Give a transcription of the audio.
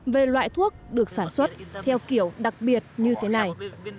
về loại thuốc được sản xuất theo kiểu đặc biệt như thế này